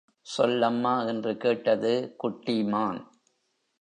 சொல்லம்மா என்று கேட்டது குட்டி மான்.